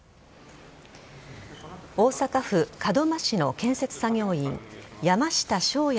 大阪府門真市の建設作業員山下翔也